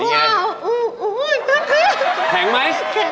แข็งไหม